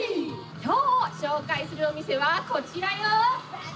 今日紹介するお店はこちらよ。